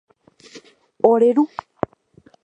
Ore Ru